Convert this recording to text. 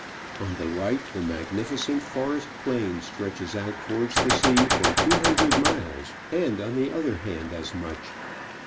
On the right the magnificent forest plain stretches out towards the sea for two hundred miles, and on the other hand as much.